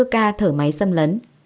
ca thở máy xâm lấn